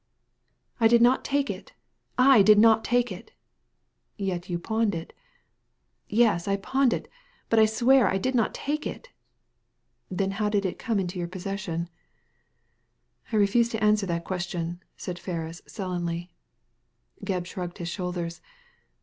" I did not take it. I did not take It" " Yet you pawned it" "Yes, I pawned it, but I swear I did not take it" " Then how did it come in your possession ?" ''I refuse to answer that question/' said Ferris, sullenly. Gebb shrugged his shoulders.